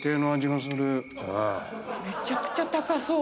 めちゃくちゃ高そう。